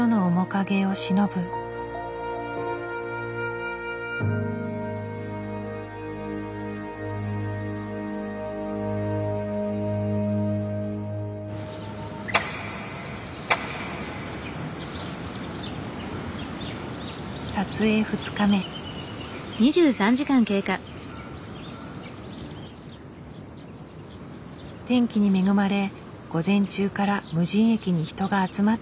天気に恵まれ午前中から無人駅に人が集まっている。